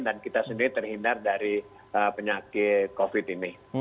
dan kita sendiri terhindar dari penyakit covid ini